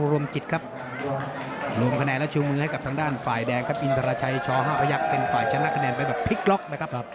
รวมคะแนนแล้วชูมือให้กับทางด้านฝ่ายแดงครับ